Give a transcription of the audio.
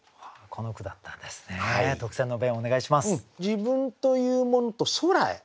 自分というものと空へ。